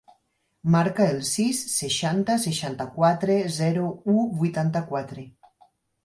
Marca el sis, seixanta, seixanta-quatre, zero, u, vuitanta-quatre.